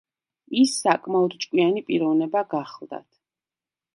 ის საკმაოდ ჭკვიანი პიროვნება გახლდათ.